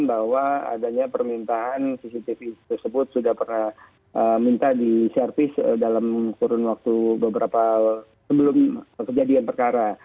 bahwa adanya permintaan cctv tersebut sudah pernah minta diservis dalam kurun waktu beberapa sebelum kejadian perkara